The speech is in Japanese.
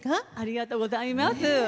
ありがとうございます。